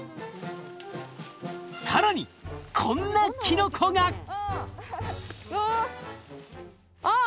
更にこんなキノコが！おっ！あっ。